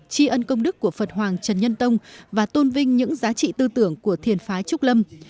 tri ân công đức của phật hoàng trần nhân tông và tôn vinh những giá trị tư tưởng của thiền phái trúc lâm